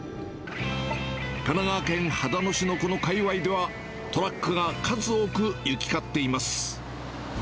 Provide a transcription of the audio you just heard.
神奈川県秦野市のこのかいわいでは、トラックが数多く行き交っています。